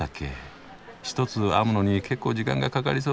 １つ編むのに結構時間がかかりそう。